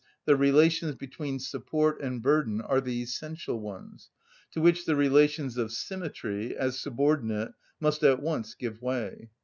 _, the relations between support and burden, are the essential ones, to which the relations of symmetry, as subordinate, must at once give way.